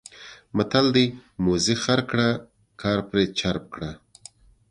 متل دی: موزي خر کړه کار پرې چرب کړه.